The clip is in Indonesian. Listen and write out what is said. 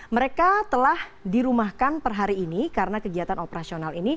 mereka telah dirumahkan per hari ini karena kegiatan operasional ini